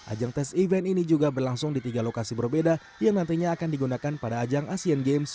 ajang tes event ini juga berlangsung di tiga lokasi berbeda yang nantinya akan digunakan pada ajang asean games dua ribu delapan